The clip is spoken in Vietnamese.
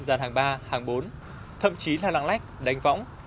dàn hàng ba hàng bốn thậm chí là lăng lách đánh võng